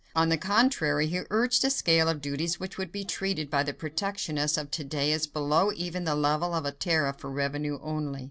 On the contrary, he urged a scale of duties which would be treated by the protectionist of to day as below even the level of a "tariff for revenue only."